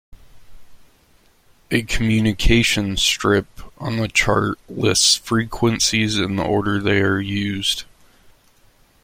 A communication strip on the chart lists frequencies in the order they are used.